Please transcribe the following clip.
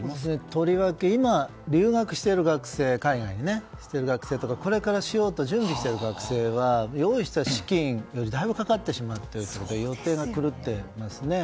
とりわけ、今留学している学生これからしようと準備している学生は用意した資金よりだいぶかかってしまっているということで予定が狂っていますね。